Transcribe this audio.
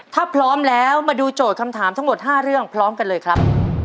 ถ้าพร้อมแล้วมาดูโจทย์คำถามทั้งหมด๕เรื่องพร้อมกันเลยครับ